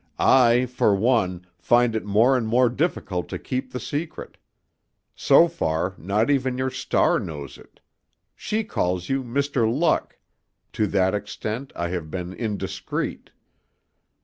I, for one, find it more and more difficult to keep the secret. So far, not even your star knows it. She calls you 'Mr. Luck' ... to that extent I have been indiscreet...."